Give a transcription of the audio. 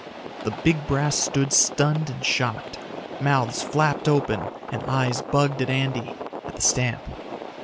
The big brass stood stunned and shocked. Mouths flapped open and eyes bugged at Andy, at the stamp.